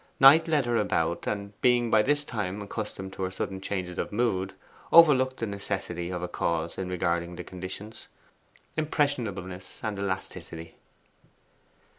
Knight led her about, and being by this time accustomed to her sudden changes of mood, overlooked the necessity of a cause in regarding the conditions impressionableness and elasticity.